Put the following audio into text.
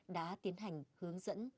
đã tiến hành hướng dẫn